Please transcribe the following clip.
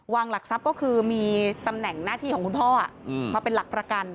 หลักทรัพย์ก็คือมีตำแหน่งหน้าที่ของคุณพ่อมาเป็นหลักประกัน